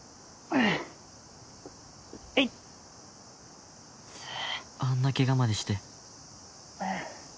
あんな怪我までして